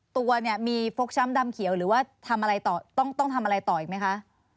ตัวนี่มีฟกช้ำดำเขียวหรือว่าต้องทำอะไรต่ออีกไหมคะ